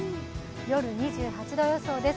夜、２８度予想です。